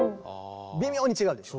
微妙に違うでしょ。